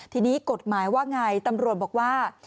ทีนี้กฎหมายว่าไงตำรวจบอกว่า